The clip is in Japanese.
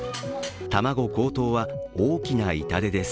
卵高騰は大きな痛手です。